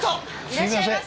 すいません